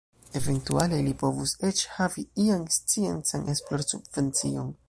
Eventuale ili povus eĉ havi ian sciencan esplorsubvencion.